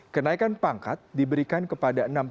kenaikan pangkat diberikan oleh tni jenderal gatot nurmantjo